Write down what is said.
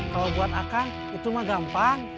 kalau buat akan itu mah gampang